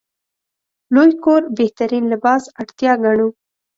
لوی کور بهترین لباس اړتیا ګڼو.